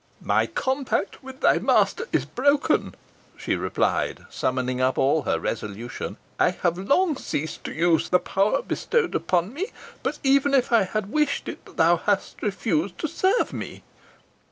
"My compact with thy master is broken," she replied, summoning up all her resolution. "I have long ceased to use the power bestowed upon me; but, even if I had wished it, thou hast refused to serve me."